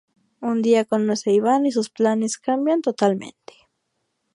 Un día conoce a Iván y sus planes cambian totalmente.